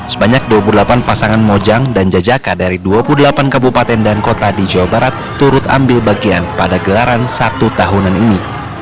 sebanyak dua puluh delapan pasangan mojang dan jajaka dari dua puluh delapan kabupaten dan kota di jawa barat turut ambil bagian pada gelaran satu tahunan ini